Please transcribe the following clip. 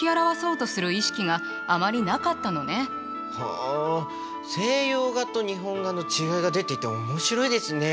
あ西洋画と日本画の違いが出ていて面白いですね。